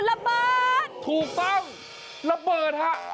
ก็คือระเบิดถูกต้องระเบิดค่ะ